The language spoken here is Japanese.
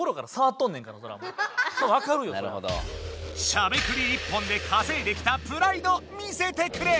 しゃべくり１本でかせいできたプライド見せてくれ！